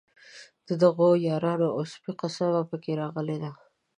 د دغو یارانو او سپي قصه په کې راغلې ده.